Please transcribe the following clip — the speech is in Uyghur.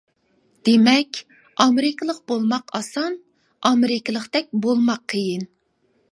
دېمەك، ئامېرىكىلىق بولماق ئاسان، ئامېرىكىلىقتەك بولماق قىيىن.